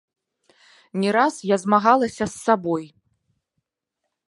Не раз я змагалася з сабой.